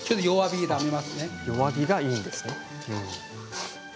弱火がいいんですね。